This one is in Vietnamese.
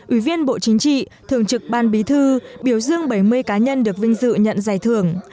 ủy viên bộ chính trị thường trực ban bí thư biểu dương bảy mươi cá nhân được vinh dự nhận giải thưởng